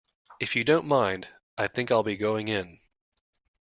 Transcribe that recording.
If you don't mind, I think I'll be going in.